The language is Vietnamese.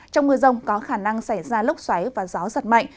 trong mưa rông có khả năng xảy ra lốc xoáy và gió giật mạnh